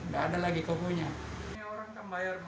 tidak ada lagi kok punya